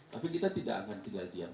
tapi kita tidak akan tinggal diam